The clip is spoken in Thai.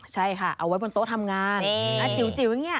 ใช่ค่ะเอาไว้บนโต๊ะทำงานจิ๋วอย่างนี้